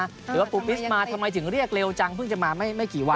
หรือว่าปูปิสมาทำไมถึงเรียกเร็วจังเพิ่งจะมาไม่กี่วัน